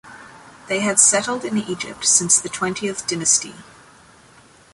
They had settled in Egypt since the Twentieth Dynasty.